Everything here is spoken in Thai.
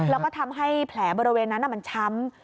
แล้วก็ทำให้แผลบริเวณนั้นมันช้ำ